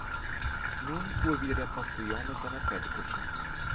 Nun fuhr wieder der Postillon mit seiner Pferdekutsche.